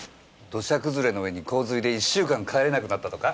土砂崩れのうえに洪水で１週間帰れなくなったとか？